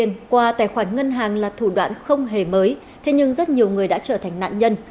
ngoài tài khoản ngân hàng là thủ đoạn không hề mới thế nhưng rất nhiều người đã trở thành nạn nhân